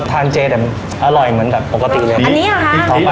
สวัสดีค่ะสวัสดีค่ะสวัสดีค่ะสวัสดีค่ะ